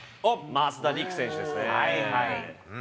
増田陸選手ですね。